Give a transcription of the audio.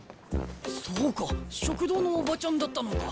そうか食堂のおばちゃんだったのか。